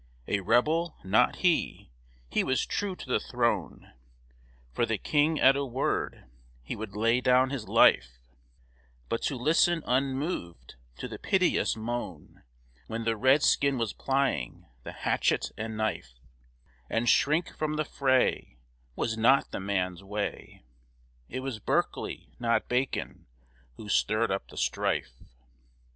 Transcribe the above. A rebel? Not he! He was true to the throne; For the King, at a word, he would lay down his life; But to listen unmoved to the piteous moan When the redskin was plying the hatchet and knife, And shrink from the fray, Was not the man's way It was Berkeley, not Bacon, who stirred up the strife.